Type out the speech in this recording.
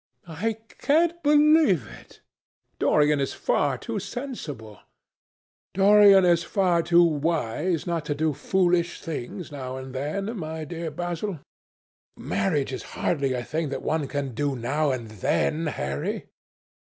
"I can't believe it. Dorian is far too sensible." "Dorian is far too wise not to do foolish things now and then, my dear Basil." "Marriage is hardly a thing that one can do now and then, Harry."